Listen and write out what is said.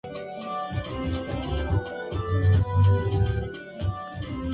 Husafiri kuja kujionea vivutio vya kila aina vinavyopatikana kwenye mji huu mkongwe wa Zanzibar